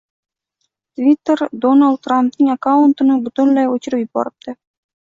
Tvitter Donald Trampning akkauntini butunlay oʻchirib yuboribdi.